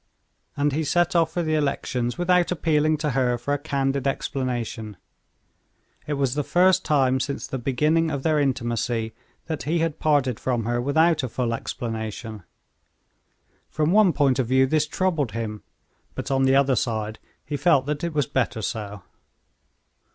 And he set off for the elections without appealing to her for a candid explanation. It was the first time since the beginning of their intimacy that he had parted from her without a full explanation. From one point of view this troubled him, but on the other side he felt that it was better so.